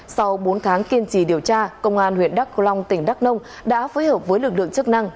sau bốn tháng kiên trì điều tra công an huyện đắc long tỉnh đắc nông đã phối hợp với lực lượng chức năng